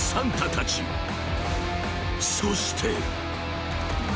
［そして］